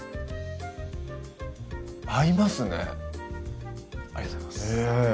合いますねありがとうございます